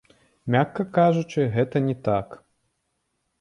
Мякка кажучы, гэта не так.